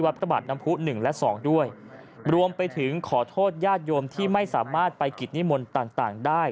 พระบาทน้ำผู้หนึ่งและสองด้วยรวมไปถึงขอโทษญาติโยมที่ไม่สามารถไปกิจนิมนต์ต่างต่างได้